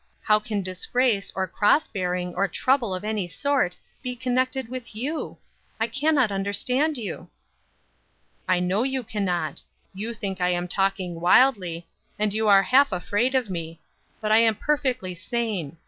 How can disgrace, or cross bearing, or trouble of any sort, be connected with you? I cannot understand you." "I know you can not. You think I am talking wildly, and you are half afraid of me; but I am perfectly sane.